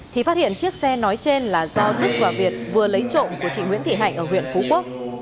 thì phát hiện chiếc xe nói trên là do thức và việt vừa lấy trộm của chị nguyễn thị hạnh ở huyện phú quốc